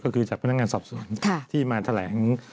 ก็คือจากพนักงานสอบสวนที่มาแถลง